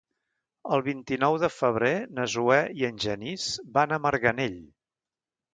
El vint-i-nou de febrer na Zoè i en Genís van a Marganell.